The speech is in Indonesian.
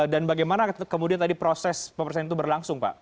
dan bagaimana kemudian tadi proses pemeriksaan itu berlangsung pak